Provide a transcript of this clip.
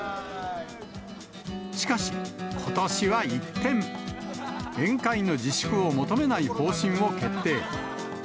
しかし、ことしは一転、宴会の自粛を求めない方針を決定。